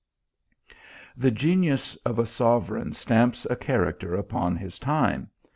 The genius of a sovereign stamps a character upon his time.